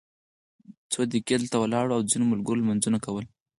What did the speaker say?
څو دقیقې دلته ولاړ وو او ځینو ملګرو لمونځونه کول.